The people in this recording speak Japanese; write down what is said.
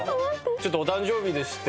ちょっとお誕生日でして。